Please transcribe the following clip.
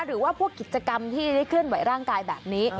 หรือว่าพวกกิจกรรมที่ได้เคลื่อนไหวร่างกายแบบนี้